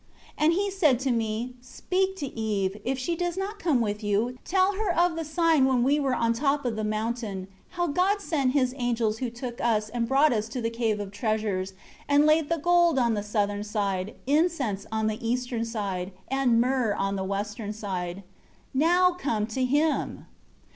7 And he said to me, 'Speak to Eve; if she does not come with you, tell her of the sign when we were on the top of the mountain; how God sent his angels who took us and brought us to the Cave of Treasures; and laid the gold on the southern side; incense, on the eastern side; and myrrh on the western side.' Now come to him."